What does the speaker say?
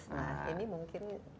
nah ini mungkin